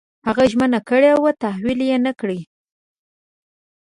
هغه ژمنه کړې وه تحویل یې نه کړې.